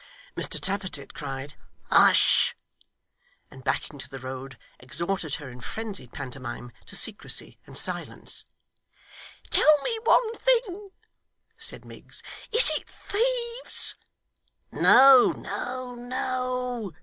Mr Tappertit cried 'Hush!' and, backing to the road, exhorted her in frenzied pantomime to secrecy and silence. 'Tell me one thing,' said Miggs. 'Is it thieves?' 'No no no!